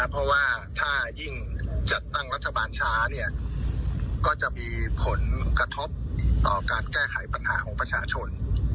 เราก็ต้องทำตามเจตนารุมของประชาชน